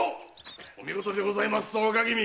お見事でございますぞ若君！